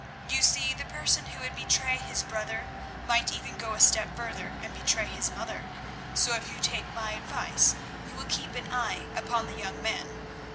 You see the person who would betray his brother might even go a step further and betray his mother, so, if you take my advice, you will keep an eye upon the young man.